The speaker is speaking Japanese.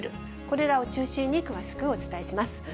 これらを中心に詳しくお伝えします。